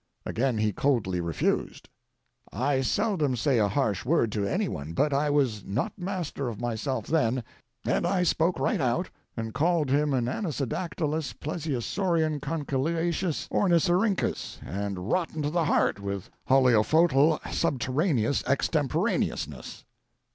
Again he coldly refused. I seldom say a harsh word to any one, but I was not master of myself then, and I spoke right out and called him an anisodactylous plesiosaurian conchyliaceous Ornithorhyncus, and rotten to the heart with holoaophotal subterranean extemporaneousness.